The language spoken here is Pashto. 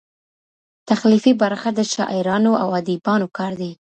تخلیقي برخه د شاعرانو او ادئبانو کار دئ.